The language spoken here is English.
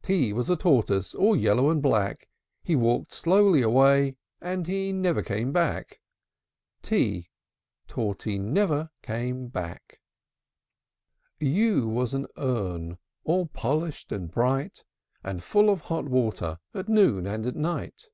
T T was a tortoise, All yellow and black: He walked slowly away, And he never came back. t! Torty never came back! U U was an urn All polished and bright, And full of hot water At noon and at night.